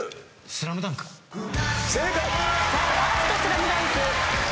『ＳＬＡＭＤＵＮＫ』正解。